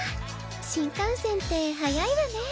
新幹線って早いわね。